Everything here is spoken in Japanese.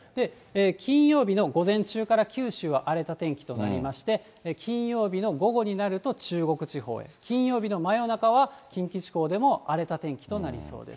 金曜日の午前中から九州は荒れた天気となりまして、金曜日の午後になると、中国地方へ、金曜日の真夜中は近畿地方でも荒れた天気となりそうです。